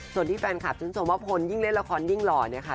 ส่วนที่แฟนคลับชื่นชมว่าพลยิ่งเล่นละครยิ่งหล่อเนี่ยค่ะ